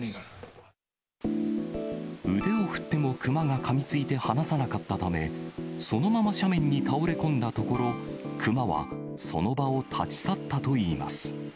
腕を振っても、熊がかみついて離さなかったため、そのまま斜面に倒れ込んだところ、熊はその場を立ち去ったといいます。